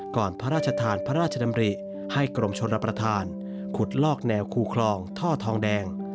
พระราชทานพระราชดำริให้กรมชนรับประทานขุดลอกแนวคูคลองท่อทองแดง